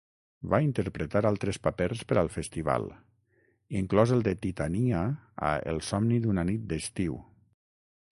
Va interpretar altres papers per al Festival, inclòs el de Titania a "El somni d'una nit d'estiu".